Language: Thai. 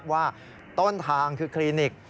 ว่าต้นทางคือคลินิก